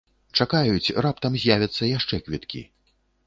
Чакаюць, раптам з'явяцца яшчэ квіткі.